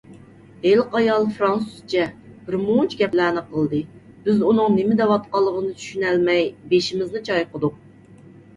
ھېلىقى ئايال فىرانسۇزچە بىرمۇنچە گەپلەرنى قىلدى. بىز ئۇنىڭ نېمە دەۋاتقانلىقىنى چۈشىنەلمەي بېشىمىزنى چايقىدۇق.